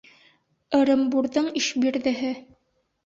Ырымбурҙың Ишбирҙеһе